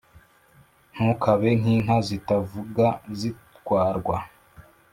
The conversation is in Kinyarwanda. ntukabe nk'inka zitavuga, zitwarwa!